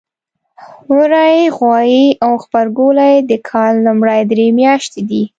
وری ، غوایی او غبرګولی د کال لومړۍ درې میاتشې دي.